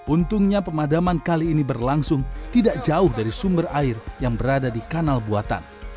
untungnya pemadaman kali ini berlangsung tidak jauh dari sumber air yang berada di kanal buatan